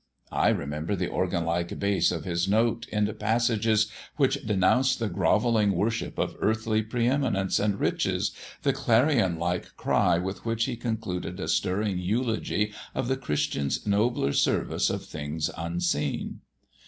I remember the organ like bass of his note in passages which denounced the grovelling worship of earthly pre eminence and riches, the clarion like cry with which he concluded a stirring eulogy of the Christian's nobler service of things unseen.